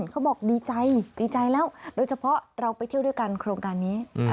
เขาบอกดีใจดีใจแล้วโดยเฉพาะเราไปเที่ยวด้วยกันโครงการนี้